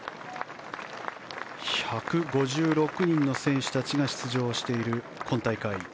１５６人の選手たちが出場している今大会。